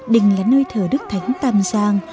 đình là nơi thờ đức thánh tam giang